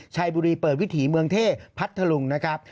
ชัยบุรีเปิดวิถีเมืองเทพพัทธลุงนะครับ